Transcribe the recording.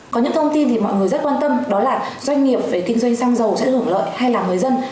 có những thông tin thì mọi người rất quan tâm đó là doanh nghiệp về kinh doanh xăng dầu sẽ hưởng lợi hay là người dân